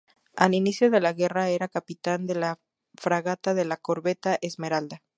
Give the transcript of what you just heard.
Al inicio de la guerra era capitán de la fragata de la corbeta Esmeralda.